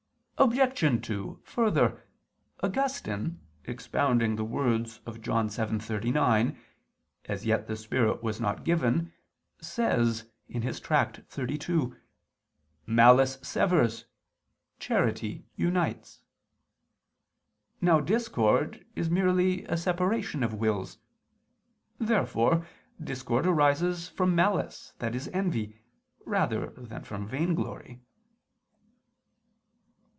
Obj. 2: Further, Augustine expounding the words of John 7:39, "As yet the Spirit was not given," says (Tract. xxxii) "Malice severs, charity unites." Now discord is merely a separation of wills. Therefore discord arises from malice, i.e. envy, rather than from vainglory.